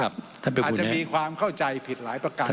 อาจจะมีความเข้าใจผิดหลายประการ